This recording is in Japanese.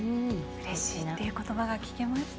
うれしいってことばが聞けました。